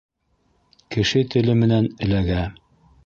Кеше теле менән эләгә.